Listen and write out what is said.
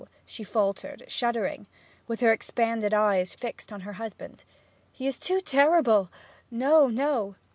she faltered, shuddering, with her expanded eyes fixed on her husband. 'He is too terrible no, no!'